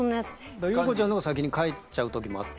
よう子ちゃんのほうが先に帰っちゃう時もあって。